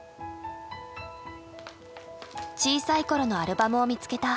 小さい頃のアルバムを見つけた。